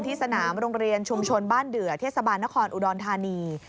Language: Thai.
สนามโรงเรียนชุมชนบ้านเดือเทศบาลนครอุดรธานี